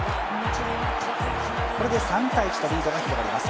これで３−１とリードが広がります。